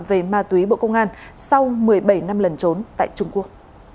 về ma túy bộ công an sau một mươi bảy năm lần trốn tại trung quốc